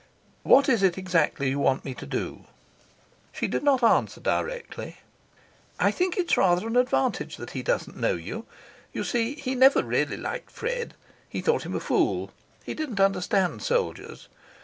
"What is it exactly you want me to do?" She did not answer directly. "I think it's rather an advantage that he doesn't know you. You see, he never really liked Fred; he thought him a fool; he didn't understand soldiers.